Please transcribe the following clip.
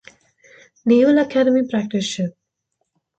Naval Academy Practice Ship.